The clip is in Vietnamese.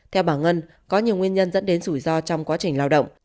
theo bà ngân có nhiều nguyên nhân dẫn đến rủi ro trong quá trình lao động